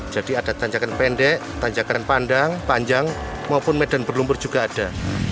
jadi ada tanjakan pendek tanjakan pandang panjang maupun medan berlumpur juga ada